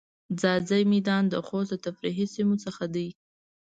ځاځی میدان د خوست د تفریحی سیمو څخه ده.